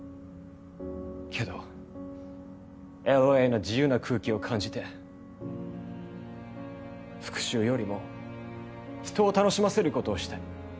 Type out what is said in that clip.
けどＬＡの自由な空気を感じて復讐よりも人を楽しませる事をしたい。